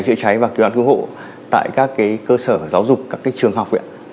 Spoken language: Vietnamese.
chữa cháy và kế hoạch cư hộ tại các cơ sở giáo dục các trường học